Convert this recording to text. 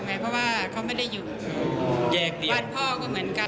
เพราะเขาไม่ได้อยู่วันพ่อก็เหมือนกัน